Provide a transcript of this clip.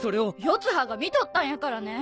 四葉が見とったんやからね。